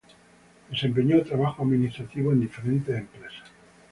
Desempeñó trabajos administrativos en diferentes empresas.